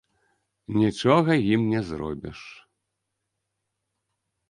Нічога ім не зробіш.